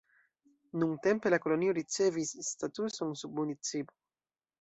Nuntempe la kolonio ricevis statuson submunicipo.